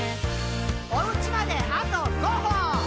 「おうちまであと５歩！」